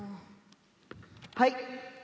はい。